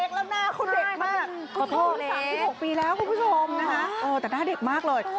เด็กแล้วหน้าเขาเด็กมากคุณผู้ชม๓๖ปีแล้วแต่หน้าเด็กมากเลย